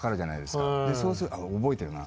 そうすると覚えてるな。